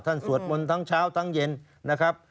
สวดมนต์ทั้งเช้าทั้งเย็นนะครับ